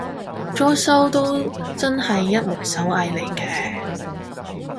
裝修都真係一門手藝嚟嘅